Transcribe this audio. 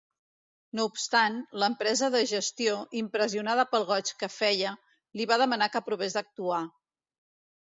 No obstant, l'empresa de gestió, impressionada pel goig que feia, li va demanar que provés d'actuar.